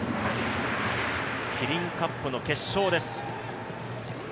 キリンカップの決勝です。